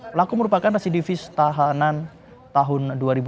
pelaku merupakan residivis tahanan tahun dua ribu enam belas